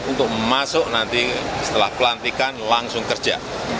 untuk masuk nanti setelah pelantikan langsung kerja